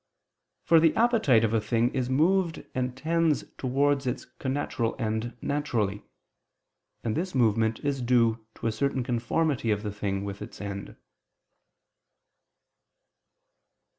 For the appetite of a thing is moved and tends towards its connatural end naturally; and this movement is due to a certain conformity of the thing with its end.